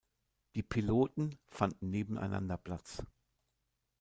Die Piloten fanden nebeneinander Platz.